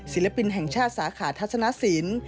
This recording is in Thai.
ศิลปินแห่งชาติสาขาทัศนสิน